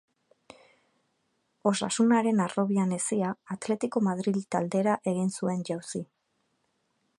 Osasunaren harrobian hezia, Atletico Madril taldera egin zuen jauzi.